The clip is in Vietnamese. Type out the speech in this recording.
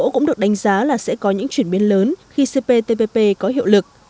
người ấn độ đánh giá là sẽ có những chuyển biến lớn khi cptpp có hiệu lực